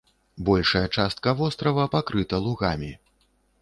Большая частка вострава пакрыта лугамі.